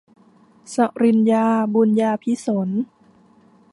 ศรินยา บุนยาภิสนท์